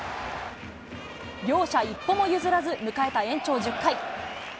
両者一歩も譲らず、迎えた延長１０回。